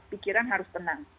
pikiran harus tenang